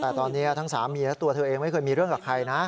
แต่ตอนนี้ทั้งสามีและตัวเธอเองไม่เคยมีเรื่องกับใครนะ